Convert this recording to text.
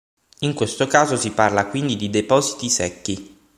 In questo caso si parla quindi di depositi secchi.